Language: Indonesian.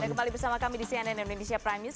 anda kembali bersama kami di cnn indonesia prime news